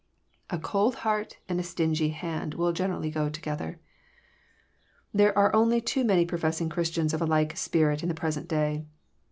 A cold heart and a stingy hand will generally go together. There are only too many professing Christians of a l&e spirit in the present day.